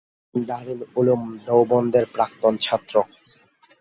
Osama ছিলেন দারুল উলূম দেওবন্দের প্রাক্তন ছাত্র।